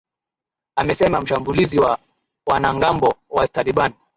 amesema mashambulizi ya wanamgambo wa taliban